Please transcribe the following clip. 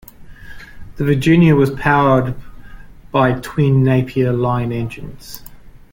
The Virginia was powered by twin Napier Lion engines.